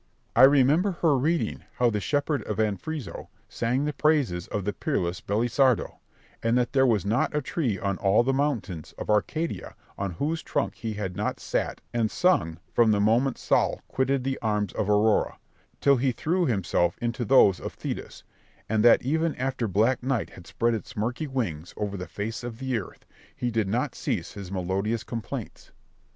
I remember her reading how the shepherd of Anfriso sang the praises of the peerless Belisarda, and that there was not a tree on all the mountains of Arcadia on whose trunk he had not sat and sung from the moment Sol quitted the arms of Aurora, till he threw himself into those of Thetis, and that even after black night had spread its murky wings over the face of the earth, he did not cease his melodious complaints.